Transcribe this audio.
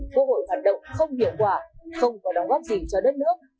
quốc hội hoạt động không hiệu quả không có đóng góp gì cho đất nước